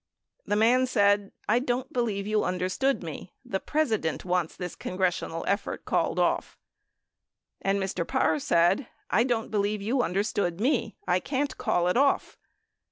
The man said, I don't believe you under stood me. The President wants this congressional effort called, off. And Mr. Parr said, I don't believe you understood me. I can't call it off.